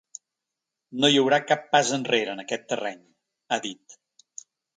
No hi haurà cap pas enrere en aquest terreny, ha dit.